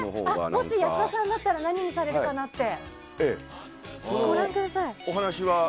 もし安田さんだったら何にされるかなって。